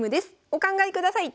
お考えください。